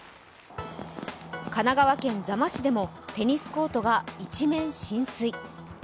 神奈川県座間市でもテニスコートが一面浸水。